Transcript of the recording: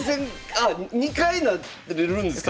そう２回なれるんですよ。